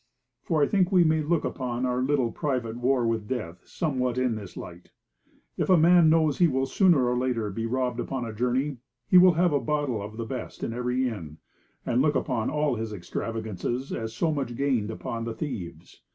For I think we may look upon our little private war with death somewhat in this light. If a man knows he will sooner or later be robbed upon a journey, he will have a bottle of the best in every inn, and look upon all his extravagances as so much gained upon the thieves.